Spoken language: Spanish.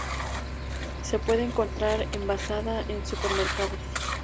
Se puede encontrar envasada en supermercados.